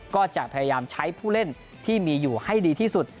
ก็จะพยายามใช้ผู้เล่นที่มีอยู่ให้ดีที่สุด